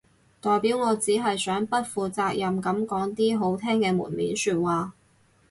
代表我只係想不負責任噉講啲好聽嘅門面說話